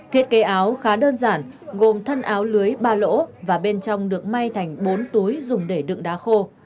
thiết kế áo khá đơn giản gồm thân áo lưới ba lỗ và bên trong được may thành bốn túi dùng để đựng đá khô